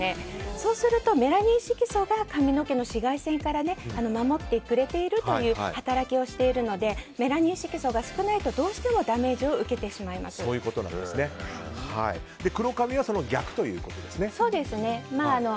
そうすると、メラニン色素が髪の毛の紫外線から守ってくれている働きをしているのでメラニン色素が少ないとどうしてもダメージを黒髪はその逆ということですね。